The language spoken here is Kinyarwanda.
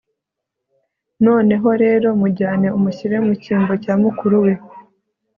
noneho rero, mujyane umushyire mu cyimbo cya mukuru we